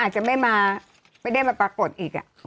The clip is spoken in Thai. อาจจะไม่ได้มาปรากฏอีก